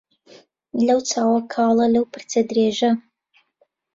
لەو چاوە کاڵە لەو پرچە درێژە